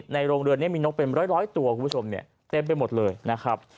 โรงเรือนนี้มีนกเป็นร้อยตัวคุณผู้ชมเนี่ยเต็มไปหมดเลยนะครับ